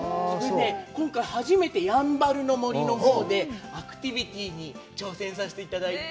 今回初めてやんばるの森のほうでアクティビティに挑戦させていただいて。